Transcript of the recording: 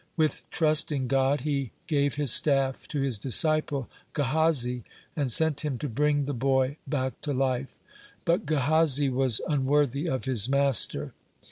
With trust in God, he gave his staff to his disciple Gehazi, and sent him to bring the boy back to life. But Gehazi was unworthy of his master.